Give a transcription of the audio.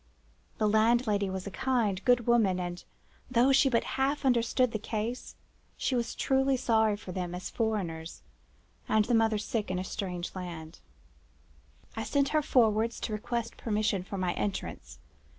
The landlady was a kind, good woman, and though she but half understood the case, she was truly sorry for them, as foreigners, and the mother sick in a strange land. "I sent her forwards to request permission for my entrance.